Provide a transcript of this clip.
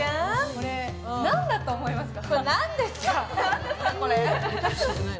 これ、何だと思いますか？